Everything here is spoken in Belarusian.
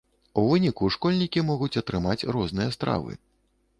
У выніку школьнікі могуць атрымаць розныя стравы.